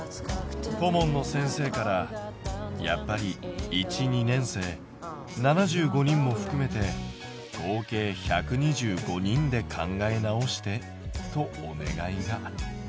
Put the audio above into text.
顧問の先生から「やっぱり１２年生７５人もふくめて合計１２５人で考え直して」とお願いが。